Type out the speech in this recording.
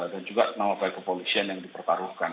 dan juga nama baik kepolisian yang dipertaruhkan